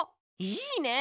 いいね！